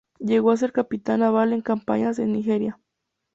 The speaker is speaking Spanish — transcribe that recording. Llegó a ser capitán naval en campañas en Nigeria.